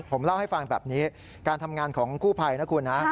ผมเล่าให้ฟังแบบนี้การทำงานของกู้ภัยนะคุณนะ